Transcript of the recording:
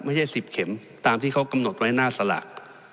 ไม่ใช่๑๐เข็มตามที่เขากำหนดไว้หน้าสลาก